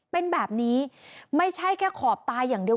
เป็นแบบนี้ไม่ใช่แค่ขอบตายอย่างเดียว